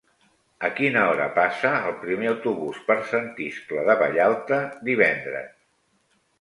A quina hora passa el primer autobús per Sant Iscle de Vallalta divendres?